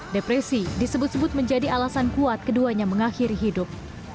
depresi disebut sebut menjadi alasan kuat keduanya mengakhiri hidup